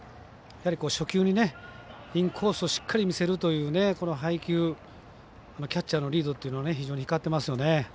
初球にインコースをしっかり見せる配球キャッチャーのリードというのが光ってますよね。